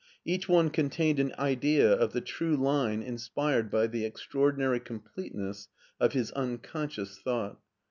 Each one contained an idea of the true line inspired by the extraordinary complete ness of his unconscious thought.